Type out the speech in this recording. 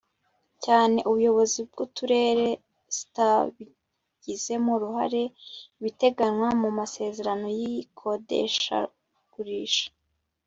cyane ubuyobozi bw Uturere zitabigizemo uruhare ibiteganywa mu masezerano y ikodeshagurisha